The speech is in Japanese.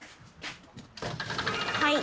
はい。